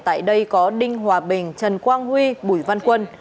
tại đây có đinh hòa bình trần quang huy bùi văn quân